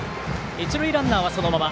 一塁ランナーはそのまま。